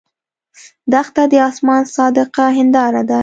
دښته د آسمان صادقه هنداره ده.